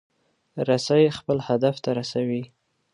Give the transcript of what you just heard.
رسۍ خپل هدف ته رسوي.